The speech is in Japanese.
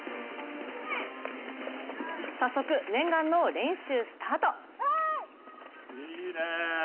早速、念願の練習スタート。